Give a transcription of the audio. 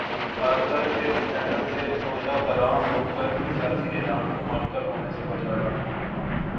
ہر طرح کے سکینڈل سے عہدہ برا ہو کر سیاسی نظام کو معطل ہونے سے بچایا